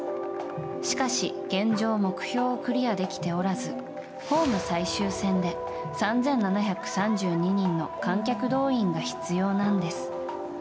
しかし、現状目標をクリアできておらずホーム最終戦で、３７３２人の観客動員が必要なんです。